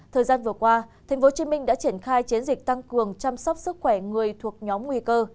thời gian vừa qua tp hcm đã triển khai chiến dịch tăng cường chăm sóc sức khỏe người thuộc nhóm nguy cơ